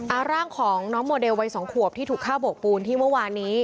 เอาร่างของน้องโมเดลวัยสองขวบที่ถูกฆ่าโบกปูนที่เมื่อวานนี้